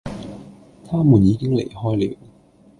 他們已經離開了